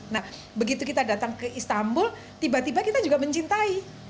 nah begitu kita datang ke istanbul tiba tiba kita juga mencintai